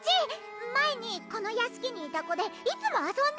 前にこの屋敷にいた子でいつも遊んでたの！